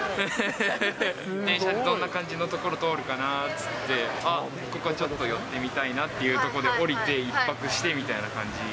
電車でどんな感じの所通るかなっつって、あっ、ここちょっと寄ってみたいなという所で降りて１泊してみたいな感じ。